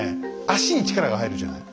足に力が入るじゃない？